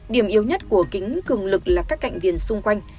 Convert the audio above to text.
điểm yếu nhất của kính cường lực là các cạnh viền xung quanh